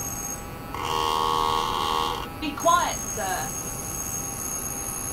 Be quiet, sir!